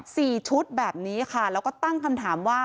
สี่ชุดแบบนี้ค่ะแล้วก็ตั้งคำถามว่า